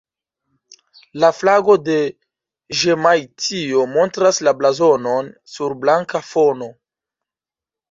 La flago de Ĵemajtio montras la blazonon sur blanka fono.